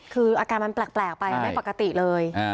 คือการมันแปลกไปแปลกกติเลย